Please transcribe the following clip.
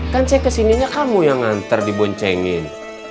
kan saya kesininya kamu yang nganter diboncengin